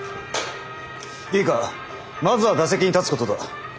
いいかまずは打席に立つことだ。